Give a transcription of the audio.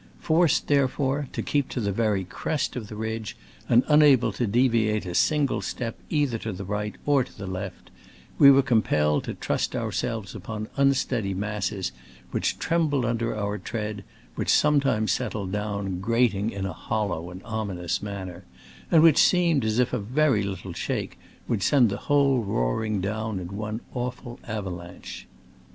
Forced, therefore, to keep to the very crest of the ridge, an'd unable to deviate a sin gle step either to the right or to the left, we were compelled to trust ourselves upon unsteady masses, which trembled under our tread, which sometimes set tled down, grating in a hollow and ominous manner, and which seemed as if a very little shake would send the whole roaring down in one awful ava lanche.